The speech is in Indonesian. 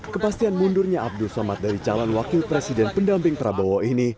kepastian mundurnya abdul somad dari calon wakil presiden pendamping prabowo ini